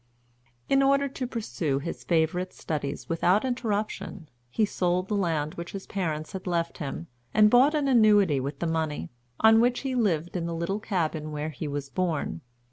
In order to pursue his favorite studies without interruption, he sold the land which his parents had left him, and bought an annuity with the money, on which he lived in the little cabin where he was born.